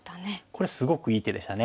これすごくいい手でしたね。